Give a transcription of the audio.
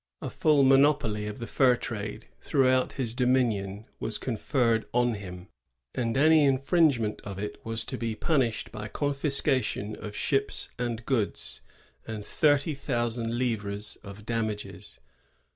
A full monopoly of the fur trade throughout his dominion was . conferred on him; and any infringe ment of it was to be punished by confiscation of ships and goods, and thirty thousand livres of damages.